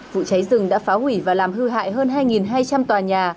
vụ cháy rừng đã phá hủy và làm hư hại hơn hai hai trăm linh tòa nhà